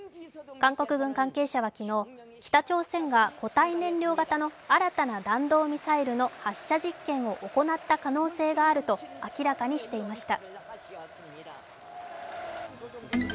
韓国軍関係者は昨日、北朝鮮が、固体燃料型の新たな弾道ミサイルの発射実験を行った可能性があると明らかにしていました。